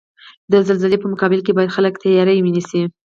د زلزلزلې په مقابل کې باید خلک تیاری ونیسئ.